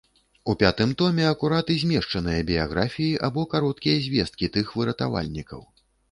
У пятым томе акурат і змешчаныя біяграфіі або кароткія звесткі тых выратавальнікаў.